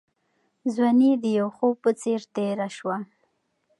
ځواني د یو خوب په څېر تېره شوه.